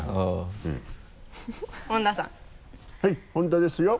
はい本田ですよ。